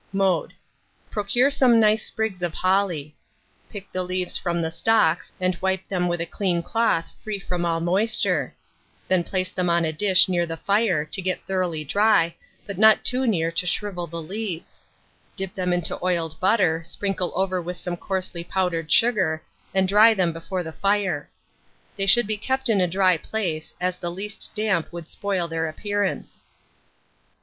Mode. Procure some nice sprigs of holly; pick the leaves from the stalks, and wipe them with a clean cloth free from all moisture; then place them on a dish near the fire, to get thoroughly dry, but not too near to shrivel the leaves; dip them into oiled butter, sprinkle over them some coarsely powdered sugar, and dry them before the fire. They should be kept in a dry place, as the least damp would spoil their appearance.